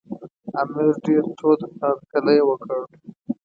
امیر ډېر تود هرکلی وکړ.